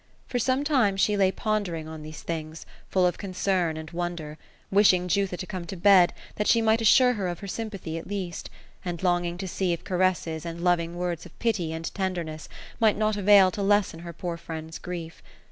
For some time, she lay pondering on these things; full of concern and wonder; wishing Julha to come to bed, that she might assure her of her sympathy, at least; and longing to see if caress es, and loving words of pity and tenderness might not avail to lessen her poor friend's grief.